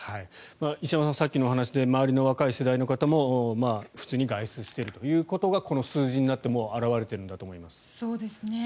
石山さん、さっきの話で周りの若い世代の方も普通に外出しているということがこの数字になってもう表れているんだと思います。